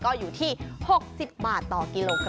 ก็อยู่ที่๖๐บาทต่อกิโลกรัมน่าจ๊ะ